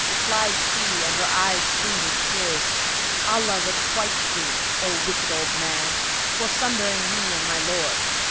Replied she (and her eyes streamed with tears), "Allah requite thee, O wicked old man, for sundering me and my lord!"